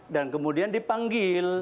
dan kemudian dipanggil